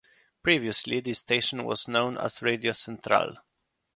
Previously this station was known as Radio Central.